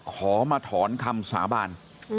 ขอมาถอนคำสาบาน